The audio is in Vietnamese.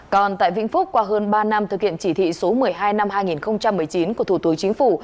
còn tại vĩnh phúc qua hơn ba năm thực hiện chỉ thị số một mươi hai năm hai nghìn một mươi chín của thủ tướng chính phủ